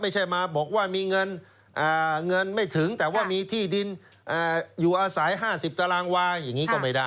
แจ็บเตือนจัน